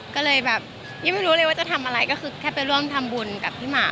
ก็เลยแบบยังไม่รู้เลยว่าจะทำอะไรก็คือแค่ไปร่วมทำบุญกับพี่หมา